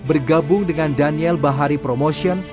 dan bergabung dengan daniel bahari promotion